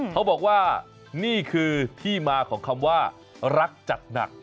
เขาบอกว่านี่คือที่มาของคำว่ารักจัดหนัก